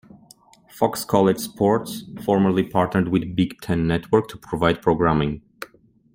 Fox College Sports formerly partnered with Big Ten Network to provide programming.